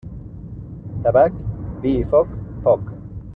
Tabac, vi i foc, poc.